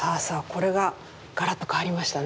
これがガラッと変わりましたね。